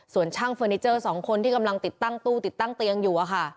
ส่วนช่างเฟอร์นิเจอร์๒คนที่กำลังติดตั้งตู้ติดตั้งเตียงอยู่